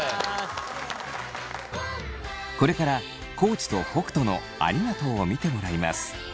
これから地と北斗のありがとうを見てもらいます。